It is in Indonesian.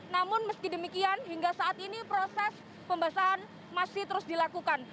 namun meski demikian hingga saat ini proses pembasahan masih terus dilakukan